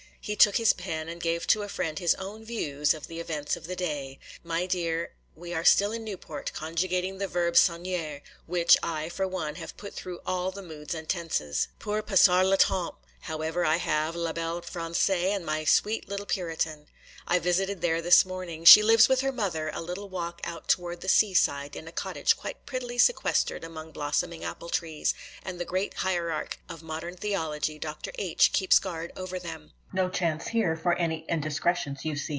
He took his pen and gave to a friend his own views of the events of the day. 'MY DEAR ——, 'We are still in Newport, conjugating the verb s'ennuyer, which I, for one, have put through all the moods and tenses. Pour passer le temps, however, I have la belle Française and my sweet little Puritan. I visited there this morning. She lives with her mother, a little walk out toward the sea side in a cottage quite prettily sequestered among blossoming apple trees, and the great hierarch of modern theology, Dr. H., keeps guard over them.